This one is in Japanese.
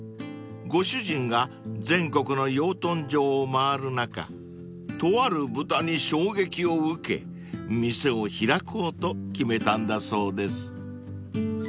［ご主人が全国の養豚場を回る中とある豚に衝撃を受け店を開こうと決めたんだそうです］